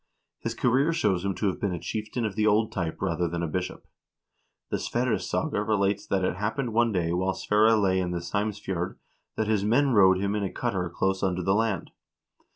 His career shows him to have been a chieftain of the old type rather than a bishop. The " Sverressaga " relates that it happened one day while Sverre lay in the Seimsf jord that his men rowed him in a cutter close under the land.